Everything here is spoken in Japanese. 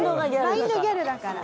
マインドギャルだから。